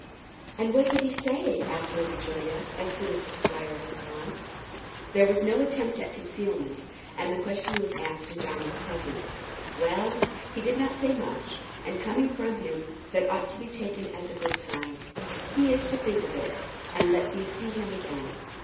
"And what did he say?" asked Lady Julia, as soon as the squire was gone. There was no attempt at concealment, and the question was asked in Johnny's presence. "Well, he did not say much. And coming from him, that ought to be taken as a good sign. He is to think of it, and let me see him again.